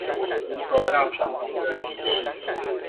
如何讓傳統的機器